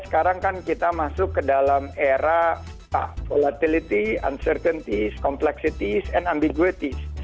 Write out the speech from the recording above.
sekarang kan kita masuk ke dalam era volatility uncertainties complexities and ambiguraties